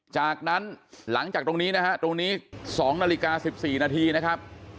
จากนั้นหลังจากตรงนี้นะฮะตรงนี้๒นาฬิกา๑๔นาทีนะครับ